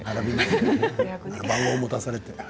番号を持たされて。